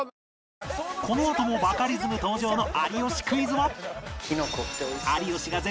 このあともバカリズム登場の『有吉クイズ』は